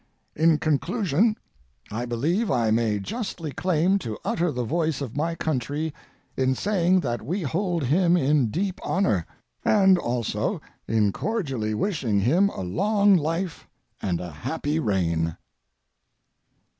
In conclusion, I believe I may justly claim to utter the voice of my country in saying that we hold him in deep honor, and also in cordially wishing him a long life and a happy reign.